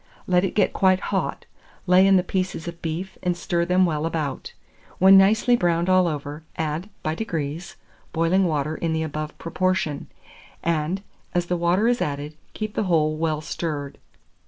Let it get quite hot; lay in the pieces of beef, and stir them well about. When nicely browned all over, add by degrees boiling water in the above proportion, and, as the water is added, keep the whole well stirred.